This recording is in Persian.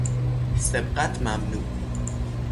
سبقت ممنوع!